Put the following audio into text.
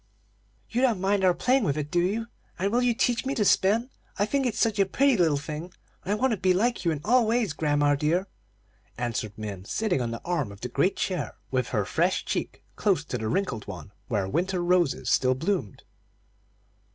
"You don't mind our playing with it, do you? And will you teach me to spin? I think it's such a pretty little thing, and I want to be like you in all ways, grandma dear," answered Min, sitting on the arm of the great chair, with her fresh cheek close to the wrinkled one where winter roses still bloomed.